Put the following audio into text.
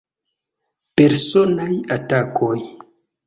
Personaj atakoj.